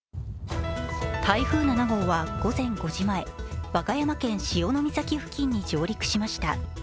台風７号は午前５時前、和歌山県・潮岬付近に上陸しました。